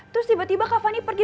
terus tiba tiba kak fani pergi